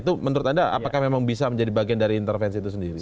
itu menurut anda apakah memang bisa menjadi bagian dari intervensi itu sendiri